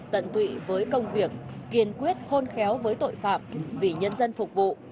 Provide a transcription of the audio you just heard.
tận tụy với công việc kiên quyết khôn khéo với tội phạm vì nhân dân phục vụ